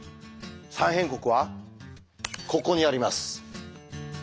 「三辺国」はここにあります。